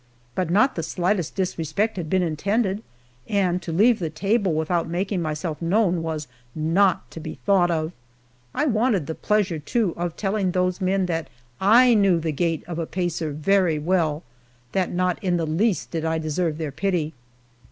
But not the slightest disrespect had been intended, and to leave the table without making myself known was not to be thought of. I wanted the pleasure, too, of telling those men that I knew the gait of a pacer very well that not in the least did I deserve their pity.